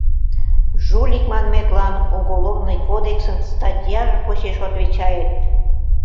Жулик манметлан Уголовный кодексын статьяже почеш отвечает...